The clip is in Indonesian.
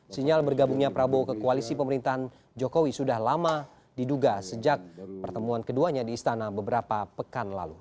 sinyal bergabungnya prabowo ke koalisi pemerintahan jokowi sudah lama diduga sejak pertemuan keduanya di istana beberapa pekan lalu